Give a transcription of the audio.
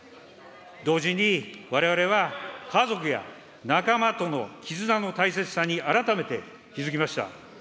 同時に、われわれは家族や仲間との絆の大切さに改めて気付きました。